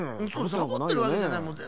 サボってるわけじゃないもん。